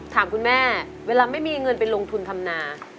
ถามคุณแม่เวลาไม่มีเงินไปลงทุนทำนา